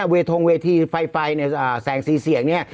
เวทงเวทีไฟแสงซีเสียงนี่